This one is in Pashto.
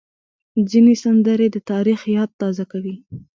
ځینې سندرې د تاریخ یاد تازه کوي.